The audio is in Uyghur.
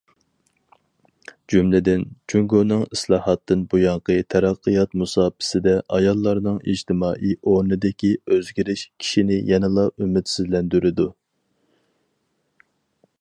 جۈملىدىن، جۇڭگونىڭ ئىسلاھاتتىن بۇيانقى تەرەققىيات مۇساپىسىدە ئاياللارنىڭ ئىجتىمائىي ئورنىدىكى ئۆزگىرىش كىشىنى يەنىلا ئۈمىدسىزلەندۈرىدۇ.